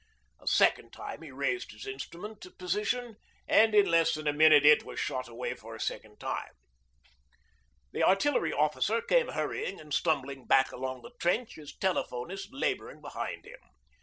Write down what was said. A second time he raised his instrument to position and in less than a minute it was shot away for a second time. The Artillery officer came hurrying and stumbling back along the trench, his telephonist labouring behind him.